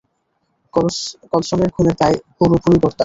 কলসনের খুনের দায় ওর ওপরেই বর্তায়।